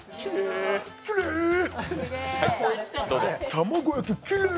玉子焼き、きれい！